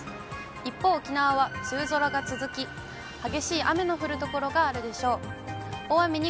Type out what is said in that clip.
一方、沖縄は梅雨空が続き、激しい雨の降る所があるでしょう。